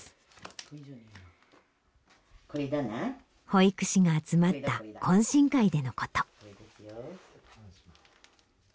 保育士が集まった懇親会でのこと。